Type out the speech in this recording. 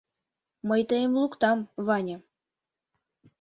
Мый тыйым луктам, Ваня.